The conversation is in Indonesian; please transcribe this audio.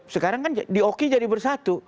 sekarang kan dioki jadi bersatu